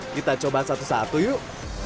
kita coba satu satu yuk